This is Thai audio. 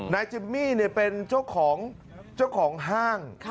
นายจิมมี่เป็นเจ้าของห้าง